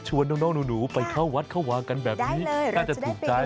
น้องหนูไปเข้าวัดเข้าวางกันแบบนี้น่าจะถูกใจ